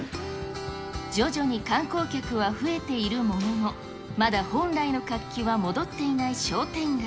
徐々に観光客は増えているものの、まだ本来の活気は戻っていない商店街。